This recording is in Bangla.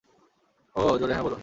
উহ জোরে হ্যাঁ বলুন।